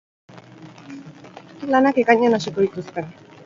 Lanak ekainean hasiko dituzte.